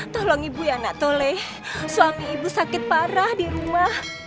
tolong ibu yana tole suami ibu sakit parah di rumah